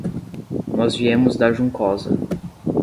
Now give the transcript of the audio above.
Nós viemos da Juncosa.